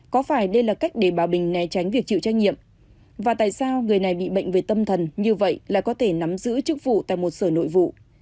có phải đây là cách để bà bình né tránh việc chịu trách nhiệm và tại sao người này bị bệnh về tâm thần như vậy là có thể nắm giữ chức vụ tại một sở nội vụ